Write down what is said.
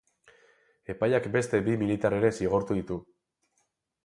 Epaileak beste bi militar ere zigortu ditu.